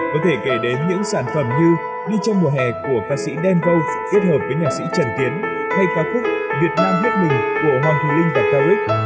có thể kể đến những sản phẩm như đi trong mùa hè của ca sĩ dan gold kết hợp với nạc sĩ trần tiến hay ca khúc việt nam hiếp mình của hoàng thùy linh và k o x